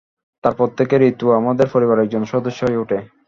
তার পর থেকে ঋতু আমাদের পরিবারের একজন সদস্য হয়ে ওঠে।